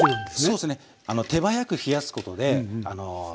そうっすね。